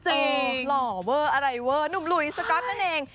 หล่อเวอร์อะไรเวอร์หนุ่มหลุยสก๊อตนั่นเอง